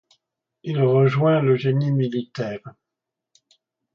Il rejoint le génie militaire.